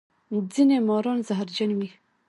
ځینې ماران زهرجن وي